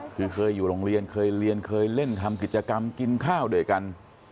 คือเคยอยู่โรงเรียนเคยเรียนเคยเล่นทำกิจกรรมกินข้าวด้วยกัน